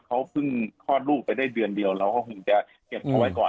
เขาเพิ่งคลอดลูกไปได้เดือนเดียวเราก็คงจะเก็บเอาไว้ก่อน